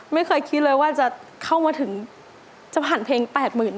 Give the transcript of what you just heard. ไม่เคยคิดเลยว่าจะเข้ามาถึงจะผ่านเพลง๘๐๐๐๐บาทไม่สักหนูคิด